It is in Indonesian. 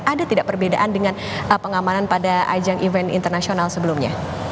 ada tidak perbedaan dengan pengamanan pada ajang event internasional sebelumnya